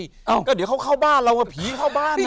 ก็เดี๋ยวเขาเข้าบ้านเราว่าผีเข้าบ้าน